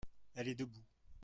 elle est debout.